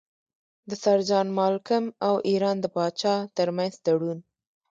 د سر جان مالکم او ایران د پاچا ترمنځ تړون.